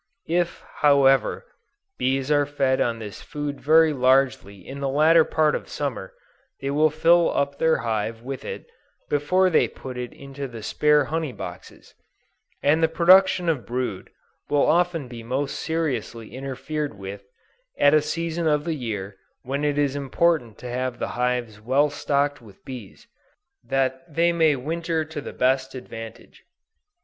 If, however, bees are fed on this food very largely in the latter part of Summer, they will fill up their hive with it, before they put it into the spare honey boxes, and the production of brood will often be most seriously interfered with, at a season of the year when it is important to have the hives well stocked with bees, that they may winter to the best advantage.